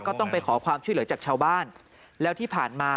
ก็ต้องไปขอความช่วยเหลือจากชาวบ้าน